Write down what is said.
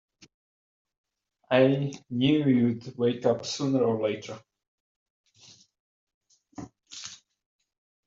I knew you'd wake up sooner or later!